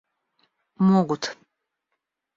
могут